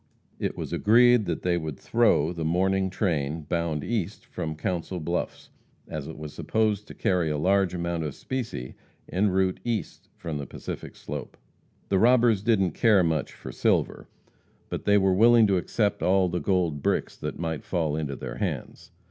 It was agreed that they would "throw" the morning train bound east from Council Bluffs, as it was supposed to carry a large amount of specie en route east from the Pacific slope. The robbers didn't care much for silver, but they were willing to accept all the gold bricks that might fall into their hands.